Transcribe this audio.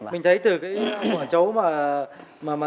mình thấy từ cái mỏ chấu mà